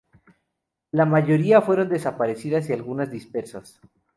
La mayoría fueron desaparecidas y algunas dispersas.